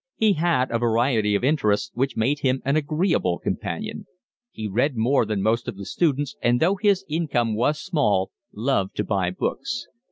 He had a variety of interests which made him an agreeable companion. He read more than most of the students and though his income was small, loved to buy books.